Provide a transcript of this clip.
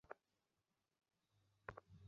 উহাদের একটি সীমাবদ্ধ কাল, আর বৃহত্তরটি অসীম কাল।